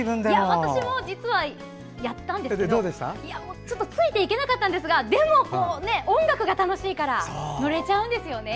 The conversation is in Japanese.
私も実は、やったんですけどついていけなかったんですがでも、音楽が楽しいから乗れちゃうんですよね。